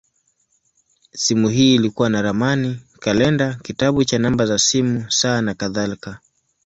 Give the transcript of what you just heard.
Simu hii ilikuwa na ramani, kalenda, kitabu cha namba za simu, saa, nakadhalika.